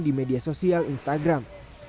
di media sosial instagram